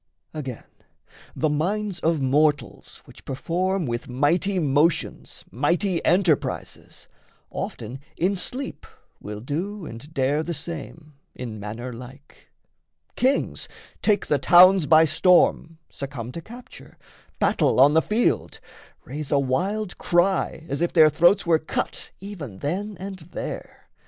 Again, the minds of mortals which perform With mighty motions mighty enterprises, Often in sleep will do and dare the same In manner like. Kings take the towns by storm, Succumb to capture, battle on the field, Raise a wild cry as if their throats were cut Even then and there.